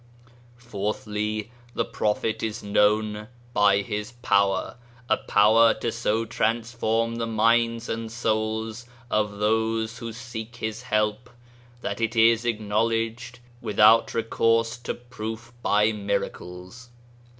Fourthly the Prophet is known by his power — a power to so transform the minds and souls of those who seek his help, that it is acknowledged without recourse to proof by miracles.